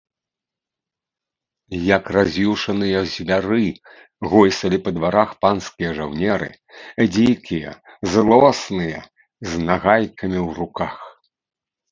Як раз'юшаныя звяры, гойсалі па дварах панскія жаўнеры, дзікія, злосныя, з нагайкамі ў руках.